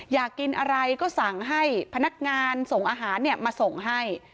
อยากกินอะไรก็สั่งให้พนักงานส่งอาหารมาส่งให้